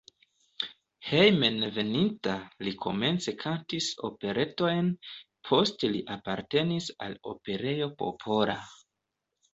Hejmenveninta li komence kantis operetojn, poste li apartenis al Operejo Popola.